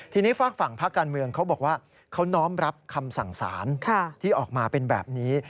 ทีนี้ฝากฝั่งพักการเมืองเขาบอกว่าเขาน้อมรับคำสั่งสารที่ออกมาเป็นแบบนี้